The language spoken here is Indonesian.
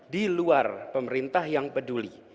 di luar pemerintah yang peduli